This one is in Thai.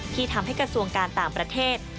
ที่ทำให้กระทรวงการต่างประเทศ